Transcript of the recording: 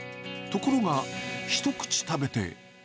ところが、一口食べて。